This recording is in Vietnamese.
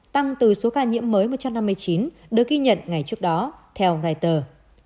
tăng từ số ca nhiễm mới một trăm năm mươi chín được ghi nhận ngày trước đó theo reuters